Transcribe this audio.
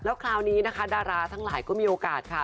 แล้วคราวนี้นะคะดาราทั้งหลายก็มีโอกาสค่ะ